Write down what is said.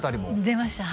出ました